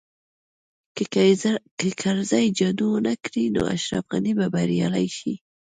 که کرزی جادو ونه کړي نو اشرف غني به بریالی شي